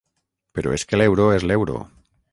Però és que l'euro és l'euro.